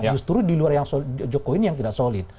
justru di luar jokowi ini yang tidak solid